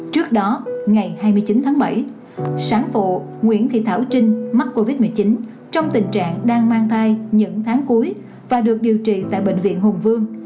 trước đó ngày hai mươi chín tháng bảy sáng vụ nguyễn thị thảo trinh mắc covid một mươi chín trong tình trạng đang mang thai những tháng cuối và được điều trị tại bệnh viện hùng vương